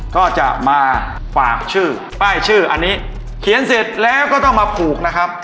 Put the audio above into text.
ก็จะมาฝากชื่อป้ายชื่ออันนี้เขียนเสร็จแล้วก็ต้องมาผูกนะครับ